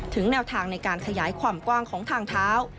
แนวทางในการขยายความกว้างของทางเท้า